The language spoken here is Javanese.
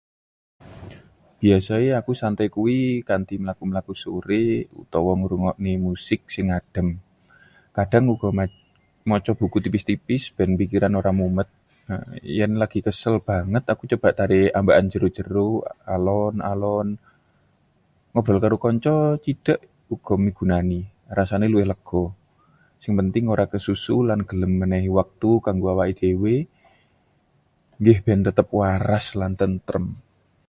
Biasane aku santai kuwi kanthi mlaku-mlaku sore utawa ngrungokke musik sing adem. Kadhang uga maca buku tipis-tipis ben pikiran ora mumet. Yen lagi kesel banget, aku nyoba ngendhaleni napas, tarik ambegan jero alon-alon. Ngobrol karo kanca cedhak uga migunani, rasane luwih lega. Sing penting, ora kesusu lan gelem menehi wektu kanggo awak dhewe, nggih ben tetep waras lan tentrem.